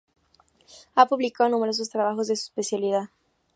Ha publicado numerosos trabajos de su especialidad.